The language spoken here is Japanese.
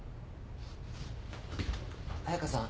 彩佳さん。